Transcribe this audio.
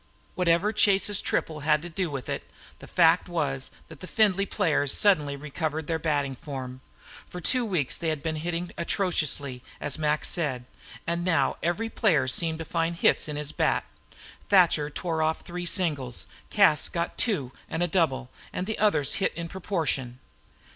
Whatever Chase's triple had to do with it, the fact was that the Findlay players suddenly recovered their batting form. For two weeks they had been hitting atrociously, as Mac said, and now every player seemed to find hits in his bat. Thatcher tore off three singles; Cas got two and a double; and the others hit in proportion.